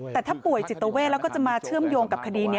แต่ถ้าป่วยจิตเวทแล้วก็จะมาเชื่อมโยงกับคดีนี้